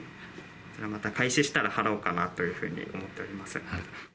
また開始したら貼ろうかなというふうに思っております。